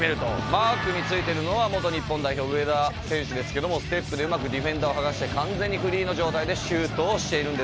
マークについてるのは元日本代表植田選手ですけどもステップでうまくディフェンダーを剥がして完全にフリーの状態でシュートをしているんですけども。